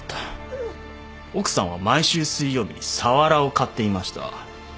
ううっ奥さんは毎週水曜日にサワラを買っていました。